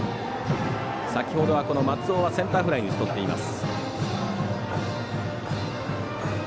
先ほどは松尾はセンターフライに打ち取っています。